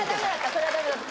それはダメだった。